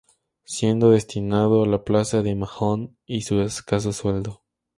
Siendo destinado a la plaza de Mahón y con escaso sueldo.